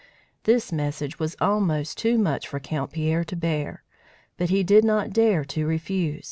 This message was almost too much for Count Pierre to bear, but he did not dare to refuse.